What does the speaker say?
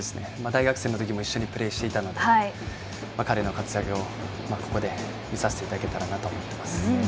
大学生の時も一緒にプレーをしていたので彼の活躍をここで見させていただけたらと思います。